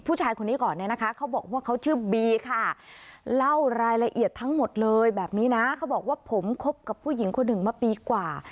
ผู้ชายคนนี้ก่อนเนี่ยนะคะเขาบอกว่าเขาชื่อบีค่ะเล่ารายละเอียดทั้งหมดเลยแบบนี้นะเขาบอกว่าผมคบกับผู้หญิงคนหนึ่งมาปีกว่า